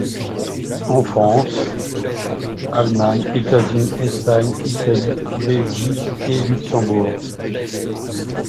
En France, Allemagne, États-Unis, Espagne, Italie, Belgique et Luxembourg.